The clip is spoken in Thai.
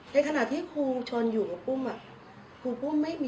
ในขณะที่ครูชนอยู่กับปุ้ม